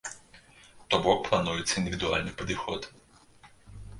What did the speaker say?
То бок плануецца індывідуальны падыход.